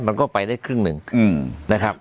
มันก็ไปได้ครึ่งหนึ่งนะครับ